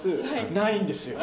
ないんですよ。